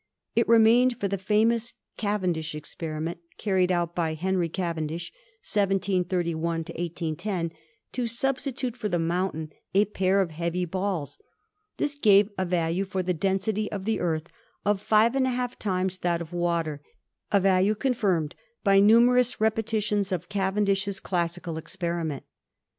It remained for the famous Cavendish experiment, carried out by Henry Cavendish (1731 1810), to substitute for the mountain a pair of heavy balls. This gave a value for the density of the Earth of 5^ times that of water, a value confirmed by numerous repetitions of Cavendish's classical experiment.